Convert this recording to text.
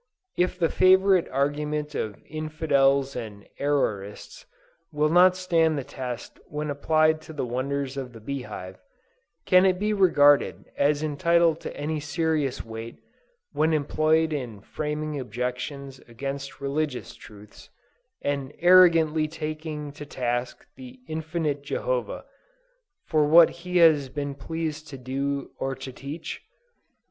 If the favorite argument of infidels and errorists will not stand the test when applied to the wonders of the bee hive, can it be regarded as entitled to any serious weight, when employed in framing objections against religious truths, and arrogantly taking to task the infinite Jehovah, for what He has been pleased to do or to teach?